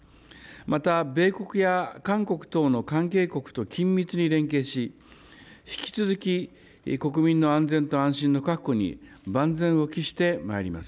また米国や韓国等の関係国と緊密に連携し、引き続き国民の安全と安心の確保に万全を期してまいります。